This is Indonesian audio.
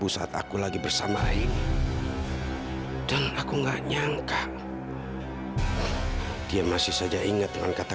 sampai jumpa di video selanjutnya